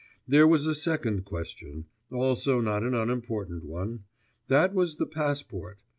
There was a second question, also not an unimportant one; that was the passport.